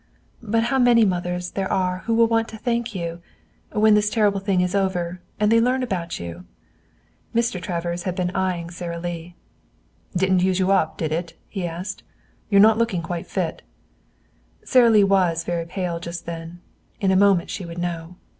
"But how many others there are who will want to thank you, when this terrible thing is over and they learn about you!" Mr. Travers had been eying Sara Lee. "Didn't use you up, did it?" he asked. "You're not looking quite fit." Sara Lee was very pale just then. In a moment she would know.